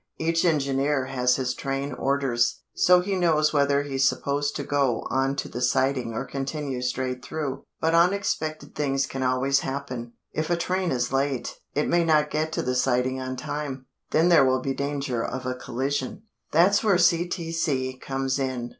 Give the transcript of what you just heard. Each engineer has his train orders, so he knows whether he's supposed to go onto the siding or continue straight through. But unexpected things can always happen. If a train is late, it may not get to the siding on time. Then there will be danger of a collision. That's where CTC comes in.